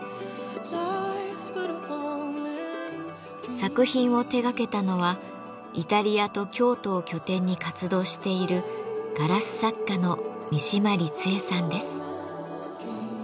作品を手がけたのはイタリアと京都を拠点に活動しているガラス作家の三嶋りつ惠さんです。